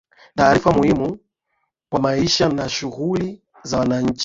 taarifa ni muhimu kwa maisha na shughuli za wananchi